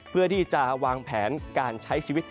เพื่อที่จะวางแผนการใช้ชีวิต